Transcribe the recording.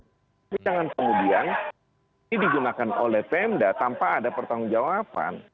tapi jangan kemudian ini digunakan oleh pmd tanpa ada pertanggungjawaban